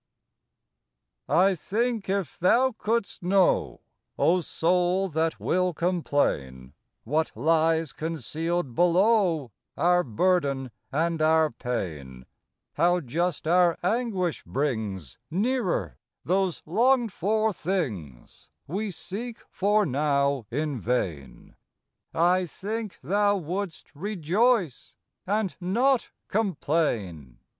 T THINK if thou couldst know, O soul that will complain, What lies concealed below Our burden and our pain ; How just our anguish brings Nearer those longed for things We seek for now in vain, — I think thou wouldst rejoice, and not complain.